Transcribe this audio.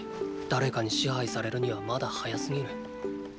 誰かに支配されるにはまだ早すぎる。